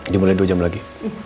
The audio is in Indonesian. dimulai dua jam lagi